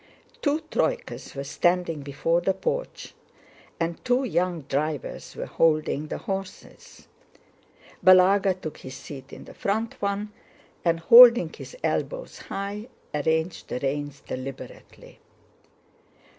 Two troykas were standing before the porch and two young drivers were holding the horses. Balagá took his seat in the front one and holding his elbows high arranged the reins deliberately.